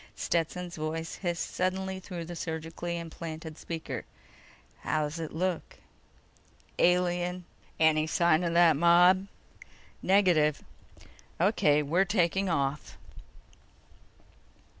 Stetson's voice hissed suddenly through the surgically implanted speaker: "How's it look?" "Alien." "Any sign of that mob?" "Negative." "O.K. We're taking off."